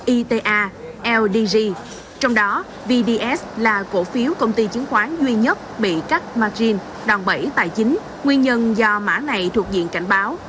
ita ldg trong đó vds là cổ phiếu công ty chứng khoán duy nhất bị cắt margin đòn bẫy tài chính nguyên nhân do mã này thuộc diện cảnh báo